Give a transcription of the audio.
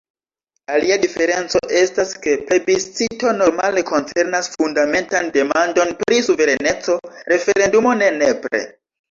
Alia diferenco estas, ke plebiscito normale koncernas fundamentan demandon pri suvereneco, referendumo ne nepre.